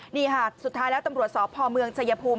นี่ค่ะสุดท้ายแล้วตำรวจสพเมืองชายภูมิ